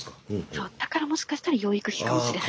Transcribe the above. そうだからもしかしたら養育費かもしれない。